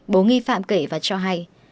bố nghi phạm kể và cho hay